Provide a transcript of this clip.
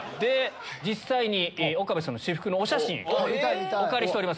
実際に岡部さんの私服のお写真お借りしております。